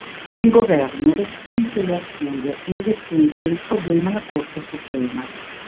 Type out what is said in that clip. Il governo respinse le accuse, investendo del problema la Corte Suprema.